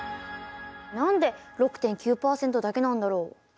何で６．９％だけなんだろう？